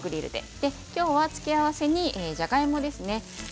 今日は付け合わせにじゃがいもですね。